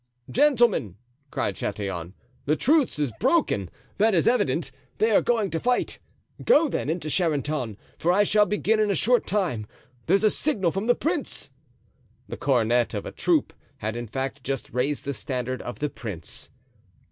"Gentlemen," cried Chatillon, "the truce is broken, that is evident; they are going to fight; go, then, into Charenton, for I shall begin in a short time—there's a signal from the prince!" The cornet of a troop had in fact just raised the standard of the prince.